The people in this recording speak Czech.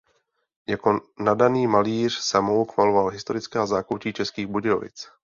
Jako nadaný malíř samouk maloval historická zákoutí Českých Budějovic.